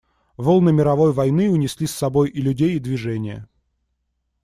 Волны мировой войны унесли с собой и людей и движение.